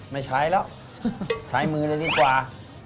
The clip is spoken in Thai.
ไม่ใช้แล้วใช้มือเลยดีกว่า